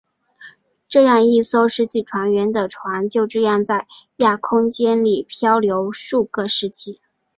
这样一艘失去船员的船就这样在亚空间里飘流数个世纪。